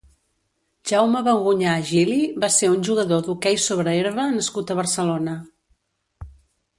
Jaume Bagunyà Gili va ser un jugador d'hoquei sobre herba nascut a Barcelona.